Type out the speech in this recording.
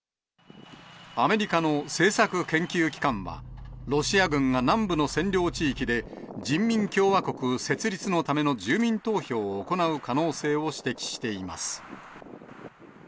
アメリカの政策研究機関は、ロシア軍が南部の占領地域で、人民共和国設立のための住民投票を行う可能性を指摘しています。